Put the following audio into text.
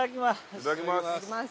いただきます。